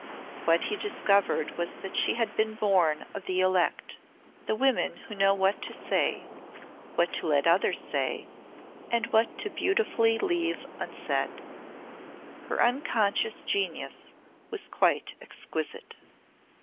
What he discovered was that she had been born of the elect, the women who know what to say, what to let others say and what to beautifully leave unsaid. Her unconscious genius was quite exquisite.